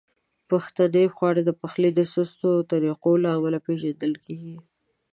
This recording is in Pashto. پښتني خواړه د پخلي د سستو طریقو له امله پیژندل کیږي.